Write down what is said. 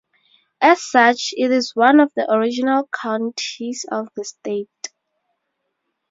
As such, it is one of the original counties of the state.